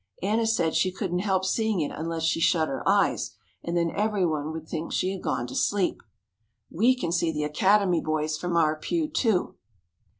Anna said she couldn't help seeing it unless she shut her eyes, and then every one would think she had gone to sleep. We can see the Academy boys from our pew, too.